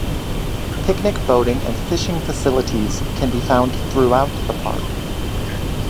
Picnic, boating, and fishing facilities can be found throughout the park.